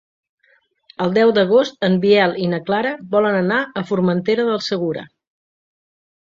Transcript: El deu d'agost en Biel i na Clara volen anar a Formentera del Segura.